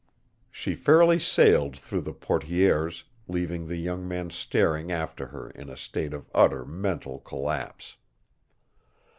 She fairly sailed through the portières, leaving the young man staring after her in a state of utter mental collapse.